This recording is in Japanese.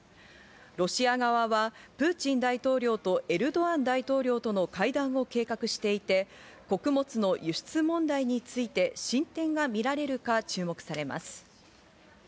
ロシア側はプーチン大統領とエルドアン大統領との会談を計画していて、穀物の輸出問題について進展が見られるか注目されます。